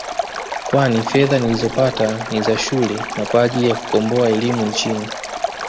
kwani fedha nilizopata ni za shule na kwa ajili kukomboa elimu nchini